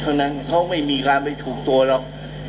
ทั้งเค้าไม่มีการไปถูกตัวเล่า